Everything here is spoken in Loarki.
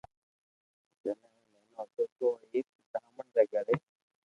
جني او نينو ھتو تو او ايڪ برھامڻ ري گھري